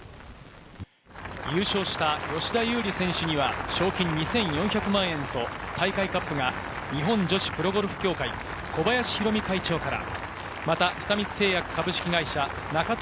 優勝した吉田優利選手には賞金２４００万円と大会カップが日本女子プロゴルフ協会・小林浩美会長から。